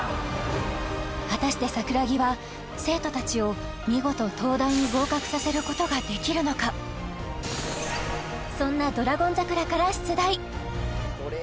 果たして桜木は生徒たちを見事東大に合格させることができるのかそんな「ドラゴン桜」から出題！